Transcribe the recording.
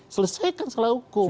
selesaikan masalah hukum